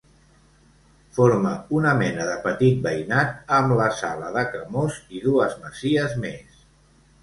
Forma una mena de petit veïnat amb la Sala de Camós i dues masies més.